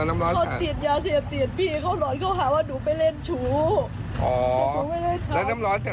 น้ำร้อนจากเตาแก๊สเลยพี่เขาต้มจากเตาแก๊สเลย